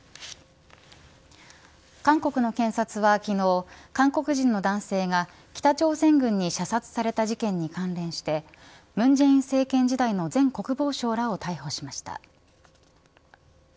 韓国の検察は昨日韓国人の男性が北朝鮮軍に射殺された事件に関連して文在寅政権時代の前国防相らを逮捕しました。